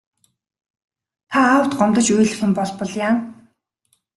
Та аавд гомдож уйлах юм болбол яана.